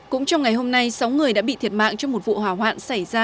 cũng trong ngày hôm nay sáu người đã bị thiệt mạng trong một vụ hỏa hoạn xảy ra